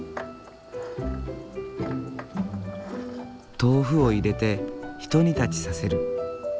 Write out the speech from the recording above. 豆腐を入れてひと煮立ちさせる。